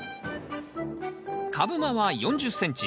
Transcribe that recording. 株間は４０ｃｍ。